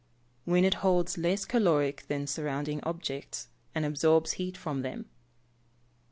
_ When it holds less caloric than surrounding objects, and absorbs heat from them.